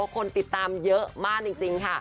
คนติดตามเยอะมากจริงค่ะ